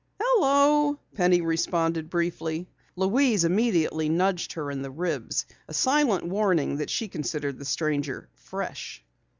"Hello," Penny responded briefly. Louise immediately nudged her in the ribs, a silent warning that she considered the stranger "fresh."